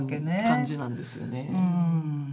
感じなんですよね。